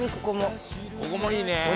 ここもいいね。